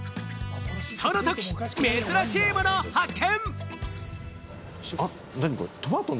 その時、珍しいもの発見！